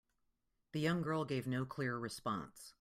The young girl gave no clear response.